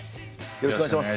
よろしくお願いします